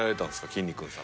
きんに君さんって。